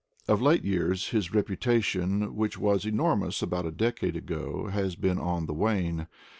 Of late years, his reputation, which was enormous abour a decade ago, has been on the wane.